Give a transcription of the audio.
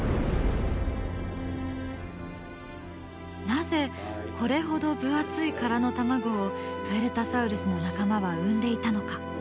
なぜこれほど分厚い殻の卵をプエルタサウルスの仲間は産んでいたのか？